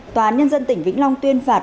tòa án nhân dân tỉnh vĩnh long tuyên phạt